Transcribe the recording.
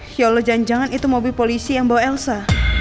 ya allah jangan jangan itu mobil polisi yang bawa elsa